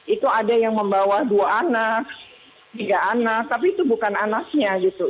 itu ada yang membawa dua anak tiga anak tapi itu bukan anaknya gitu